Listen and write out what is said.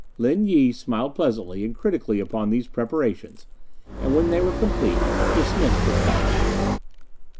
Lin Yi smiled pleasantly and critically upon these preparations, and when they were complete dismissed his follower.